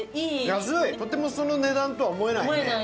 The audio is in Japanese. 安い、とてもその値段とは思えない。